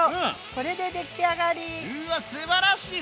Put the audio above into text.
これで出来上がり！